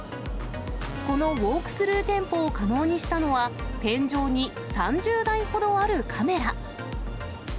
このウォークスルー店舗を可能にしたのは、天井に３０台ほどあるカメラ。